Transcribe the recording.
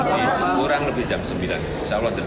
kurang lebih jam sembilan insyaallah jam sembilan